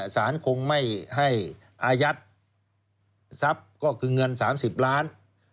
สารคงไม่ให้อายัดทรัพย์ก็คือเงิน๓๐ล้าน